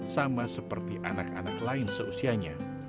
sama seperti anak anak lain seusianya